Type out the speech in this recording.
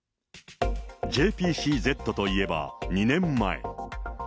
ＪＰＣＺといえば、２年前。